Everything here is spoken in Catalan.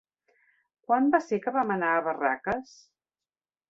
Quan va ser que vam anar a Barraques?